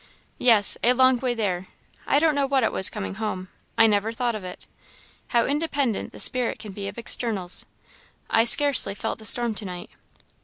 "Yes a long way there I don't know what it was coming home; I never thought of it. How independent the spirit can be of externals! I scarcely felt the storm to night."